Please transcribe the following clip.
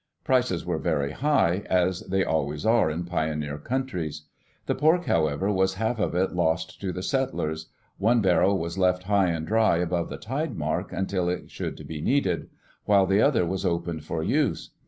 Prices were very high, as they always are in pioneer countries. The pork, however, was half of it lost to the settlers. One barrel was left high and dry above the tide mark until it should be needed, while the other was opened for use.